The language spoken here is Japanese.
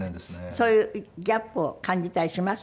そういうギャップを感じたりします？